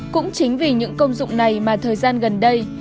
cũng chính vì những công dụng này mà thời gian gần đây